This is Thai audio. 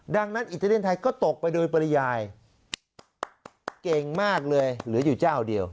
ดังนั้นอิตาเลียนไทยก็ตกไปโดยปริยายเก่งมากเลยเหลืออยู่เจ้าเดียว